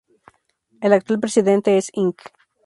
El actual presidente es Ing.